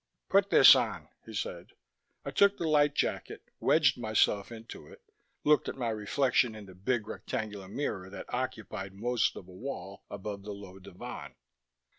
"Put this on," he said. I took the light jacket, wedged myself into it, looked at my reflection in the big rectangular mirror that occupied most of a wall above the low divan.